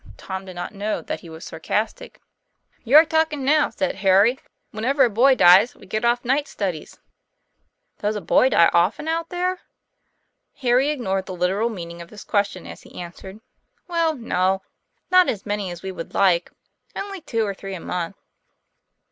Tom did not know that he was sarcastic. "You're talking now," said Harry. "Whenever a boy dies we get off night studies." " Does a boy die often out there?" Harry ignored the literal meaning of this ques tion as he answered: "Well, no; not as many as we would like. Only two or three a month."